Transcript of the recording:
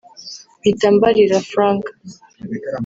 mpita mbarira Frank